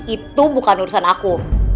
itu bukan urusan aku